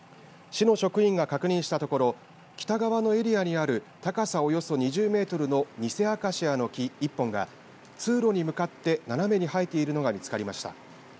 市の職員が確認したところ北側のエリアにある高さおよそ２０メートルのニセアカシアの木、１本が通路に向かって斜めに生えているのが見つかりました。